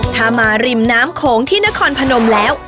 ถ้ามาริมน้ำโขงที่นครพนมแล้ว